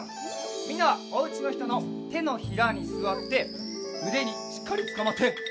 みんなはおうちのひとのてのひらにすわってうでにしっかりつかまって。